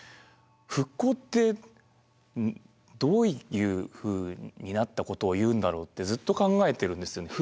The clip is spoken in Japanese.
復興ってどういうふうになったことをいうんだろうってずっと考えてるんですよね。